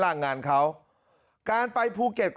แถลงการแนะนำพระมหาเทวีเจ้าแห่งเมืองทิพย์